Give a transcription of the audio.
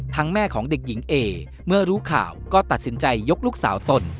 แม่ของเด็กหญิงเอเมื่อรู้ข่าวก็ตัดสินใจยกลูกสาวตน